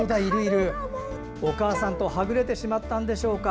お母さんとはぐれてしまったのでしょうか。